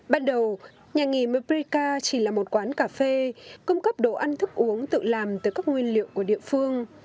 ban đầu nhà nghỉ mibrika chỉ là một quán cà phê cung cấp đồ ăn thức uống tự làm từ các nguyên liệu của địa phương